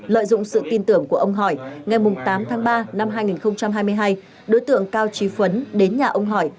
lợi dụng sự tin tưởng của ông hỏi ngày tám tháng ba năm hai nghìn hai mươi hai đối tượng cao trí phấn đến nhà ông hỏi